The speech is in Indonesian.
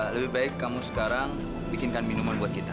lebih baik kamu sekarang bikinkan minuman buat kita